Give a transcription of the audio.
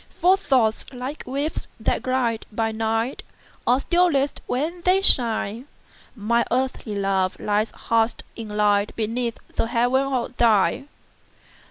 For thoughts, like waves that glide by night, Are stillest when they shine; Mine earthly love lies hush'd in lightBeneath the heaven of thine.